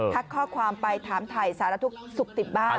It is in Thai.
ข้อความไปถามถ่ายสารทุกข์สุขติดบ้าน